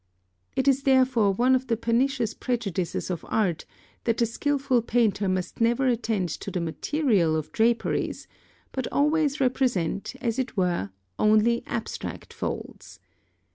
It is therefore one of the pernicious prejudices of art that the skilful painter must never attend to the material of draperies, but always represent, as it were, only abstract folds.